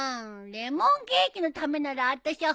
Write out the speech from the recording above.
レモンケーキのためならあたしゃ